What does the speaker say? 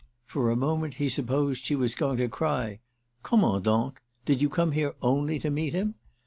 For a moment he supposed she was going to cry "Comment donc? Did you come here only to meet him?"